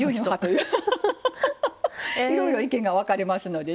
いろいろ意見が分かれますのでね。